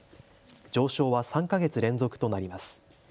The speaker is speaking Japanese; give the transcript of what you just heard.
上昇は３か月連続となります。